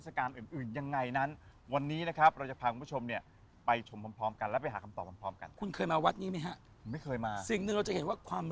สิ่งที่เราดูเนี่ยเนี่ยลังพฤมศาสตร์